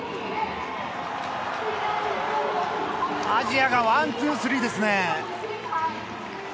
アジアがワンツースリーですね。